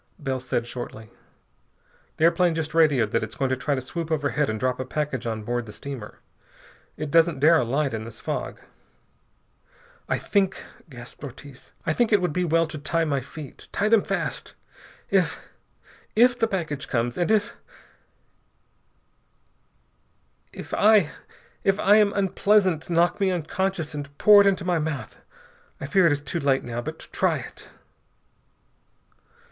Bell said shortly: "The airplane just radioed that it's going to try to swoop overhead and drop a package on board the steamer. It doesn't dare alight in this fog." "I think," gasped Ortiz, "I think it would be well to tie my feet. Tie them fast! If if the package comes, if I if I am unpleasant, knock me unconscious and pour it into my mouth. I fear it is too late now. But try it...."